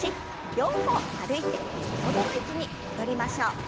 ４歩歩いて元の位置に戻りましょう。